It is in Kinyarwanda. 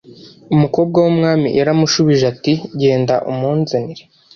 Umukobwa w’umwami yaramushubije ati genda umunzanire